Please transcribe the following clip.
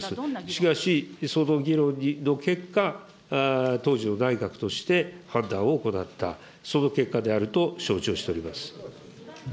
しかし、その議論の結果、当時の内閣として判断を行った、その結果であると承知をしております。